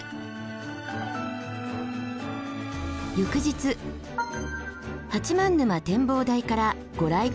翌日八幡沼展望台からご来光を拝んだ